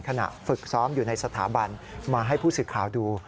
ขณะฝึกซ้อมอยู่ในสถาบันมาให้ผู้สื่อข่าวดู